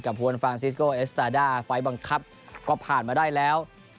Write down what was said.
ฮวนฟานซิสโกเอสตาด้าไฟล์บังคับก็ผ่านมาได้แล้ว